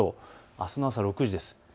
あすの朝６時です。